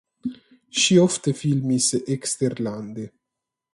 Ŝi ofte filmis eksterlande.